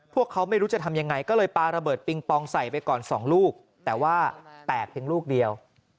พวกเขาไม่รู้จะทำยังไงก็เลยปาระเบิดปิงปองใส่ไปก่อน๒ลูกแต่ว่าแตกเพียงลูกเดียว